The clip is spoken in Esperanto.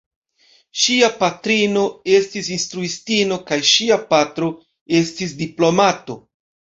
Ŝia patrino estis instruistino kaj ŝia patro estis diplomato.